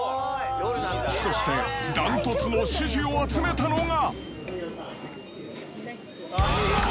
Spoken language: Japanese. そして、ダントツの支持を集めたのが。